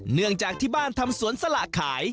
เนื่องจากที่บ้านทำสวนสลากขาย